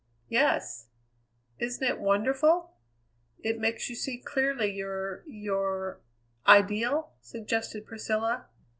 "Yes." "Isn't it wonderful? It makes you see clearly your your " "Ideal?" suggested Priscilla.